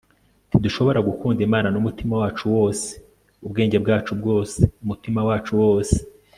ntidushobora gukunda imana n'umutima wacu wose, ubwenge bwacu bwose, umutima wacu wose